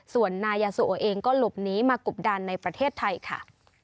ส่วนนายยาโซโอเองก็หลบหนีมากบดันในประเทศไทยค่ะ